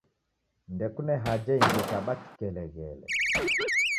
Ndekune haja ingi ekaba chukeleghele.